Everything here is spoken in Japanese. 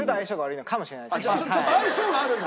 相性があるんだ。